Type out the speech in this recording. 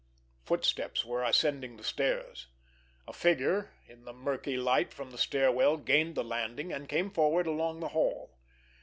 Footsteps were ascending the stairs. A figure, in the murky light from the stair well, gained the landing, and came forward along the hall.